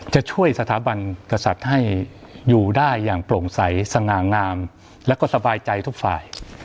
จะช่วยสถาบันกษัตริย์ให้อยู่ได้อย่างโปร่งใสสง่างามและก็สบายใจทุกฝ่าย